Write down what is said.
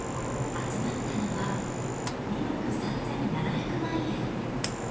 集まったのは２億３７００万円。